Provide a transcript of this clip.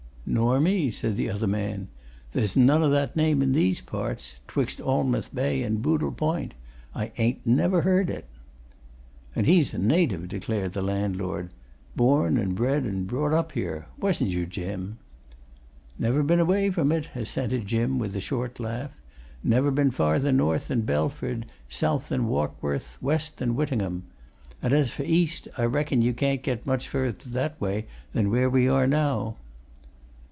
"Nor me!" said the other man. "There's none o' that name in these parts 'twixt Alnmouth Bay and Budle Point. I ain't never heard it!" "And he's a native," declared the landlord. "Born and bred and brought up here. Wasn't you, Jim?" "Never been away from it," assented Jim, with a short laugh. "Never been farther north than Belford, south than Warkworth, west than Whittingham. And as for east, I reckon you can't get much further that way than where we are now."